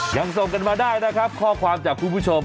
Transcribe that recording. ยังส่งกันมาได้นะครับข้อความจากคุณผู้ชม